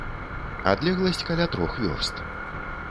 Адлегласць каля трох вёрст.